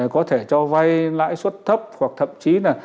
có thể cho vay lãi suất thấp hoặc thậm chí là